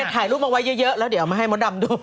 ถ่ายรูปเอาไว้เยอะแล้วเดี๋ยวมาให้มดดำดู